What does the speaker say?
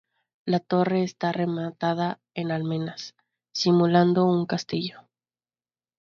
La torre está rematada en almenas, simulando un castillo.